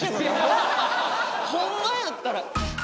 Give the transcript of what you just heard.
ほんまやったら。